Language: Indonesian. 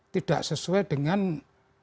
tidak sesuai dengan yang di dalamnya